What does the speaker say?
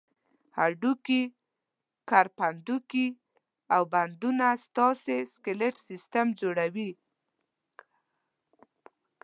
هډوکي، کرپندوکي او بندونه ستاسې سکلېټ سیستم جوړوي.